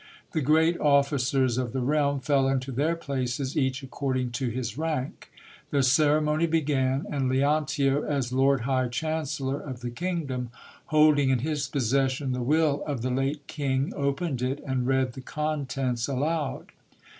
The great officers of the realm fell into their places, each according to his rank. The ceremony began ; and Leontio, as lord high chancellor of the kingdom, holding in his possession the will of the late king, opened it, and read the contents aloud.